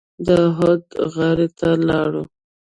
د احد غره ته لاړو.